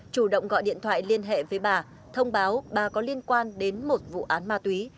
chủ động gọi điện thoại liên hệ với bà thông báo bà có liên quan đến một vụ án ma túy